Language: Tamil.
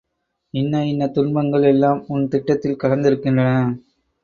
இன்ன இன்ன துன்பங்கள் எல்லாம் உன் திட்டத்தில் கலந்திருக்கின்றன.